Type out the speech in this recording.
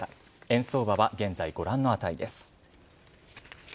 円相場は現在、ご覧の値です。